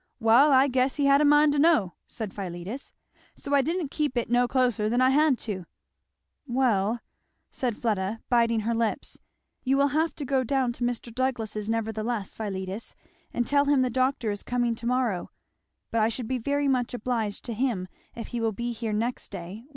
"Wall I guess he had a mind to know," said Philetus, "so I didn't keep it no closer than I had teu." "Well," said Fleda biting her lips, "you will have to go down to Mr. Douglass's nevertheless, Philetus, and tell him the doctor is coming to morrow, but I should be very much obliged to him if he will be here next day.